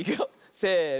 せの。